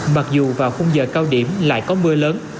mặc dù vào khung giờ cao điểm lại có mưa lớn